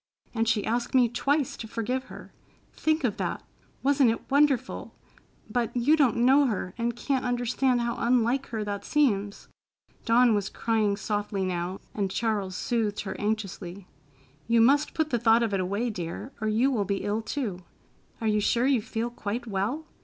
And she asked me twice to forgive her. Think of that! Wasn't it wonderful? But you don't know her and can't understand how unlike her that seems." Dawn was crying softly now, and Charles soothed her anxiously. "You must put the thought of it away, dear, or you will be ill, too. Are you sure you feel quite well?